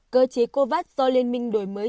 cơ chế covax do liên minh đổi mới